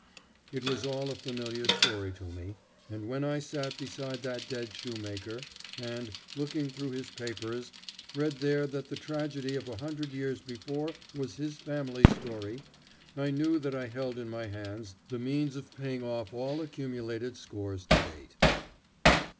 It was all a familiar story to me, and when I sat beside that dead shoemaker and, looking through his papers, read there that the tragedy of a hundred years before was his family story, I knew that I held in my hands the means of paying off all accumulated scores to date.